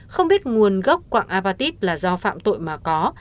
không biết nguồn gốc quạng abatit là do phạm tội mà có